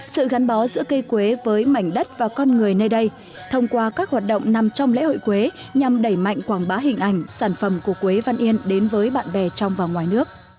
sự gắn bó giữa cây quế với mảnh đất và con người nơi đây thông qua các hoạt động nằm trong lễ hội quế nhằm đẩy mạnh quảng bá hình ảnh sản phẩm của quế văn yên đến với bạn bè trong và ngoài nước